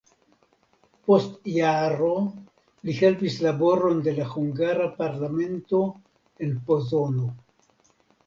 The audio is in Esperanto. Post jaro li helpis laboron de la hungara parlamento en Pozono.